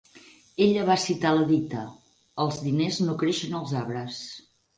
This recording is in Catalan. Ella va citar la dita: els diners no creixen als arbres.